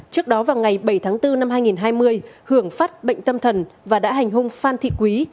trước đó vào ngày bảy tháng bốn năm hai nghìn hai mươi hưởng phát bệnh tâm thần và đã hành hung phan thị quý